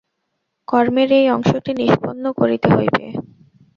কর্মের এই অংশটি নিষ্পন্ন করিতে হইবে।